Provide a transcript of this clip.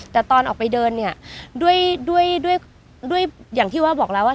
แต่ตอนออกไปเดินเนี่ยด้วยด้วยอย่างที่ว่าบอกแล้วว่า